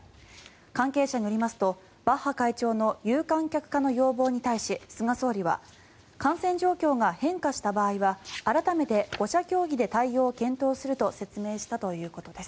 関係者によりますとバッハ会長の有観客化の要望に対し菅総理は感染状況が変化した場合は改めて５者協議で対応を検討すると説明したということです。